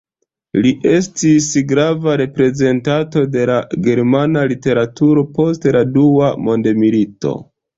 Li estis grava reprezentanto de la germana literaturo post la Dua mondmilito.